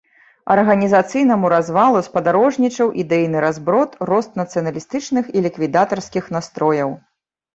Арганізацыйнаму развалу спадарожнічаў ідэйны разброд, рост нацыяналістычных і ліквідатарскіх настрояў.